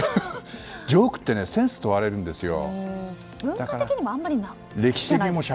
ジョークってセンス問われるんですよ。